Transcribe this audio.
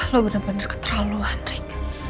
lo bener bener keterlaluan rik